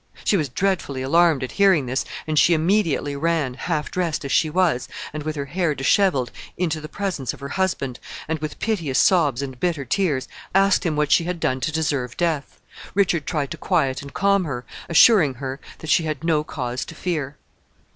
She was dreadfully alarmed at hearing this, and she immediately ran, half dressed as she was, and with her hair disheveled, into the presence of her husband, and, with piteous sobs and bitter tears, asked him what she had done to deserve death. Richard tried to quiet and calm her, assuring her that she had no cause to fear.